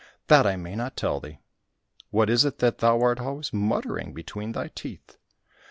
"That I may not tell thee." "What is it that thou art always muttering between thy teeth."